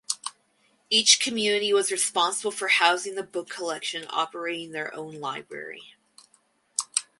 Each community was responsible for housing the book collection and operating their own library.